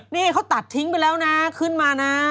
นี่เขาตัดทิ้งไปแล้วนะขึ้นมานะ